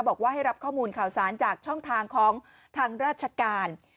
บอกว่าให้รับข้อมูลข่าวสารจากช่องทางของทางราชการ